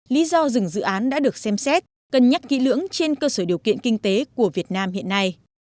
lý do dừng dự án đã được xem xét cân nhắc kỹ lưỡng trên cơ sở điều kiện kinh tế của việt nam hiện nay